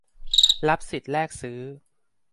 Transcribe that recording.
รับสิทธิ์แลกซื้อ